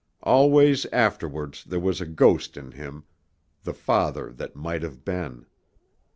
Always afterwards there was a ghost in him the father that might have been.